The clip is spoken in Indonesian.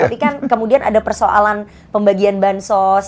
tapi kan kemudian ada persoalan pembagian bansos